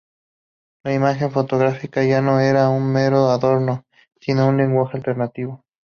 La imagen fotográfica ya no era un mero adorno, sino un lenguaje alternativo.